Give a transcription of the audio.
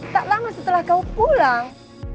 tak lama setelah kau pulang